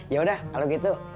ya udah kalau gitu